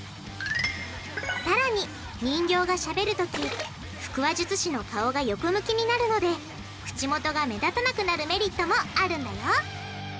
さらに人形がしゃべるとき腹話術師の顔が横向きになるので口元が目立たなくなるメリットもあるんだよ！